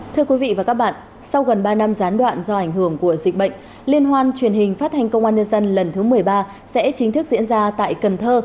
thưa quý vị và các bạn sau gần ba năm gián đoạn do ảnh hưởng của dịch bệnh liên hoan truyền hình phát thanh công an nhân dân lần thứ một mươi ba sẽ chính thức diễn ra tại cần thơ